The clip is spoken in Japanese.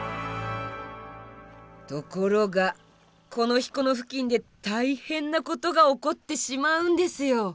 ところがこの日この付近で大変なことが起こってしまうんですよ！